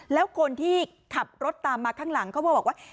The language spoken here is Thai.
แล้วคนที่ขับรถตามมาข้างหลังเขาบอกว่า